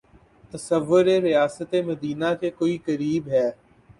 تصور ریاست مدینہ کے کوئی قریب ہے۔